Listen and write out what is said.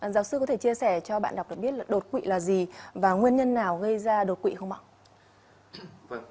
giáo sư có thể chia sẻ cho bạn đọc được biết là đột quỵ là gì và nguyên nhân nào gây ra đột quỵ không ạ